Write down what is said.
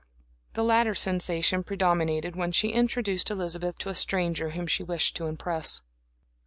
The latter sensation predominated when she introduced Elizabeth to a stranger whom she wished to impress.